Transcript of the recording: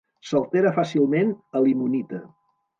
S'altera fàcilment a limonita.